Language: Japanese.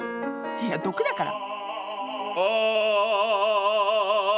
いや毒だから！